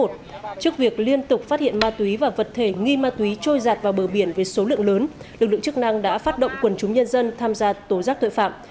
trước việc liên tục phát hiện ma túy và vật thể nghi ma túy trôi giạt vào bờ biển với số lượng lớn lực lượng chức năng đã phát động quần chúng nhân dân tham gia tố giác tội phạm